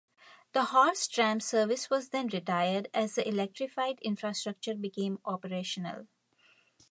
The horse tram service was then retired as the electrified infrastructure became operational.